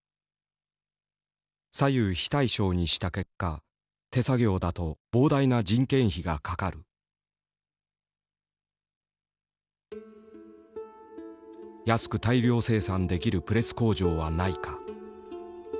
左右非対称にした結果手作業だと膨大な人件費がかかる。安く大量生産できるプレス工場はないか。